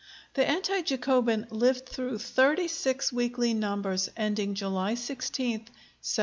The Anti Jacobin lived through thirty six weekly numbers, ending July 16th, 1796.